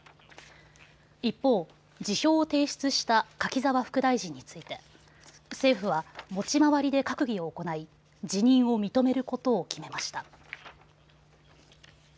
一方、辞表を提出した柿沢副大臣について政府は持ち回りで閣議を行い辞任を認めることを決めました。